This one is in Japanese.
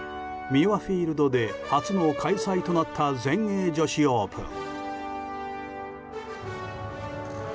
ミュアフィールドで初の開催となった全英女子オープン。